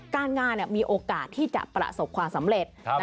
การงานมีโอกาสที่จะประสบความสำเร็จ